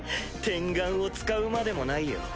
天眼を使うまでもないよ。